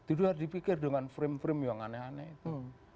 itu harus dipikir dengan frame frame yang aneh aneh itu